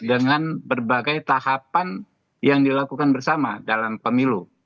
dengan berbagai tahapan yang dilakukan bersama dalam pemilu